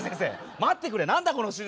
待ってくれなんだこの手術。